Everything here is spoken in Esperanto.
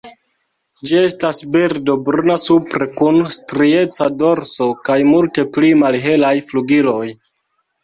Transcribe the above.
Ĝi estas birdo bruna supre kun strieca dorso kaj multe pli malhelaj flugiloj.